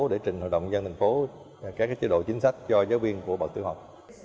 để trình hội đồng nhân thành phố các chế độ chính sách cho giáo viên của bậc tiểu học